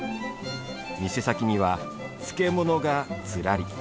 店先には、漬物がずらり。